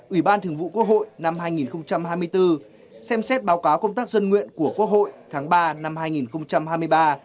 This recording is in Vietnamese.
ủy ban thường vụ quốc hội năm hai nghìn hai mươi bốn xem xét báo cáo công tác dân nguyện của quốc hội tháng ba năm hai nghìn hai mươi ba